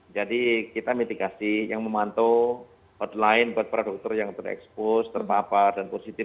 jadi kita mitigasi yang memantau hotline buat para dokter yang terekspos terbapar dan positif